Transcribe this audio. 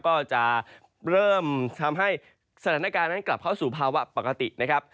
ก็จะเริ่มทำให้สถานการณ์นั้นกลับเข้าสู่ภาวะปกตินะครับ